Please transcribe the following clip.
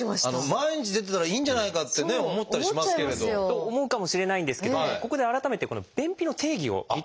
毎日出てたらいいんじゃないかってね思ったりしますけれど。と思うかもしれないんですけどここで改めて便秘の定義を見ていきましょう。